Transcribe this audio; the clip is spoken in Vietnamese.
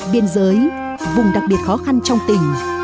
biên giới vùng đặc biệt khó khăn trong tỉnh